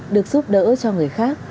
được giúp đỡ cho người khác